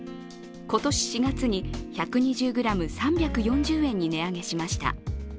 今年４月に１２０ｇ３４０円に値上げしました。